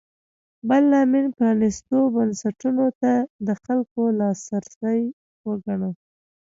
بل لامل پرانېستو بنسټونو ته د خلکو لاسرسی وګڼو.